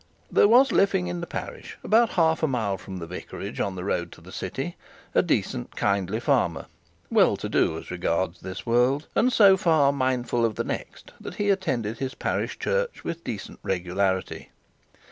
There was living in the parish about half a mile from the vicarage on the road to the city, a decent, kindly farmer, well to do as regards this world, and so far mindful of the next that he attended his parish church with decent regularity.